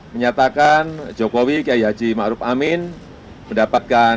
menyatakan jokowi kiai yaji ma'ruf amin dan juga pilih keputusan